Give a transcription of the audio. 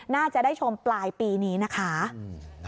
น่าจะได้ชมปลายปีนี้นะคะนะครับ